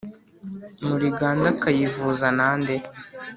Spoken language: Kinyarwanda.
Muligande akayivuza nande.